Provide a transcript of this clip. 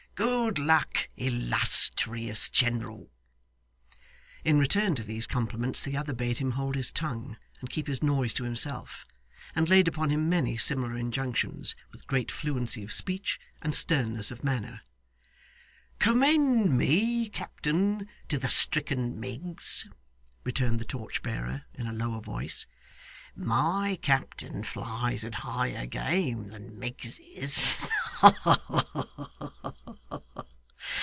Good luck, illustrious general!' In return to these compliments the other bade him hold his tongue, and keep his noise to himself, and laid upon him many similar injunctions, with great fluency of speech and sternness of manner. 'Commend me, captain, to the stricken Miggs,' returned the torch bearer in a lower voice. 'My captain flies at higher game than Miggses. Ha, ha, ha!